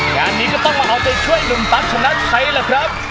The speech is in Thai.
การนี้ก็ต้องมาเอาใจช่วยลุงตั๊กชนะใช้แล้วครับ